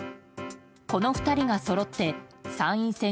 この２人がそろって参院選